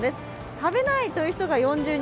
食べないという人が４０人